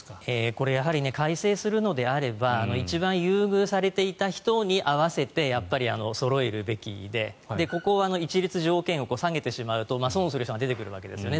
これ、改正するのであれば一番優遇されていた人に合わせてそろえるべきで、ここは一律条件を下げてしまうと損する人が出てくるわけですよね。